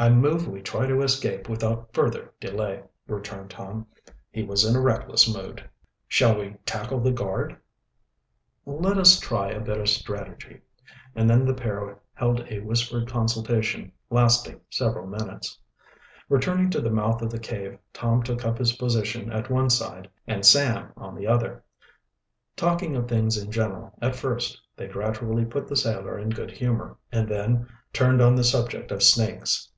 "I move we try to escape without further delay," returned Tom. He was in a reckless mood. "Shall we tackle the guard?" "Let us try a bit of strategy," and then the pair held a whispered consultation lasting several minutes. Returning to the mouth of the cave Tom took up his position at one side and Sam on the other. Talking of things in general at first, they gradually put the sailor in good humor, and then turned on the subject of snakes.